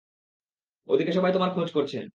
ওদিকে সবাই তোমার খোঁজ করছে!